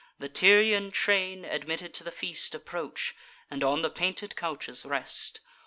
The Tyrian train, admitted to the feast, Approach, and on the painted couches rest.